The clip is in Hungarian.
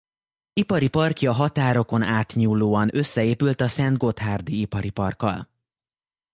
Ipari parkja határokon átnyúlóan összeépült a Szentgotthárdi Ipari Parkkal.